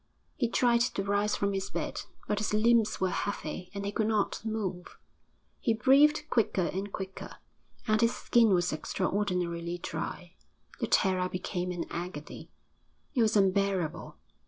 He tried to rise from his bed, but his limbs were heavy and he could not move. He breathed quicker and quicker, and his skin was extraordinarily dry. The terror became an agony; it was unbearable.